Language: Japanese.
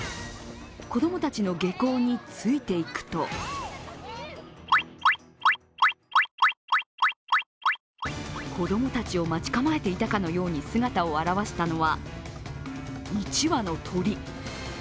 子供たちの下校についていくと子供たちを待ち構えていたかのように姿を現したのは１羽の鳥。